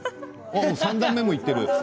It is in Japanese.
もう３段目もいってる。